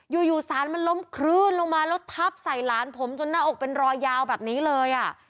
อยู่สารมันล้มคลื่นลงมาแล้วทับใส่หลานผมจนหน้าอกเป็นรอยยาวแบบนี้เลยอ่ะ